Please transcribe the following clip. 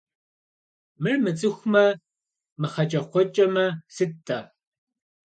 Мыр мыцӀыхумэ, мыхьэкӀэкхъуэкӀэмэ, сыт–тӀэ?